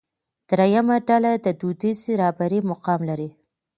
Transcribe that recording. درېیمه ډله د دودیزې رهبرۍ مقام لري.